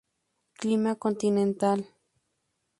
Clima continental.